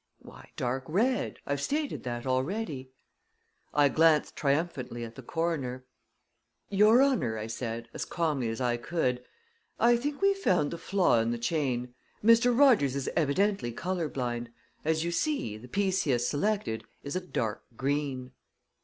"Why, dark red. I've stated that already." I glanced triumphantly at the coroner. "Your honor," I said, as calmly as I could, "I think we've found the flaw in the chain. Mr. Rogers is evidently color blind. As you see, the piece he has selected is a dark green."